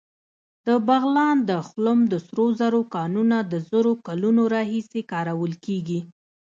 د بغلان د خلم د سرو زرو کانونه د زرو کلونو راهیسې کارول کېږي